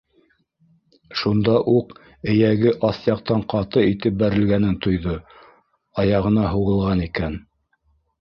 Шунда уҡ эйәге аҫ яҡтан ҡаты итеп бәрелгәнен тойҙо: аяғына һуғылған икән!